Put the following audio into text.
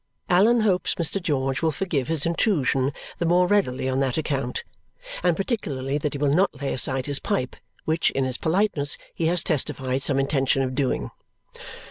Allan hopes Mr. George will forgive his intrusion the more readily on that account, and particularly that he will not lay aside his pipe, which, in his politeness, he has testified some intention of doing.